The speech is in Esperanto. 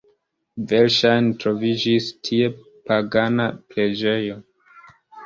Verŝajne troviĝis tie pagana preĝejo.